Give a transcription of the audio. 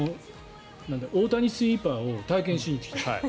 大谷スイーパーを体験しに行った。